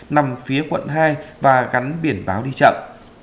nằm phía quận hai và gắn biển báo đi chậm